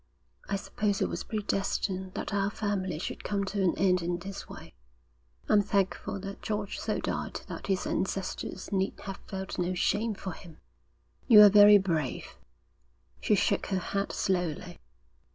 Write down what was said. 'I suppose it was predestined that our family should come to an end in this way. I'm thankful that George so died that his ancestors need have felt no shame for him.' 'You are very brave.' She shook her head slowly.